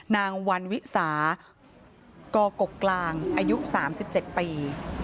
นางวันวิสากกกลางอายุ๓๗ปี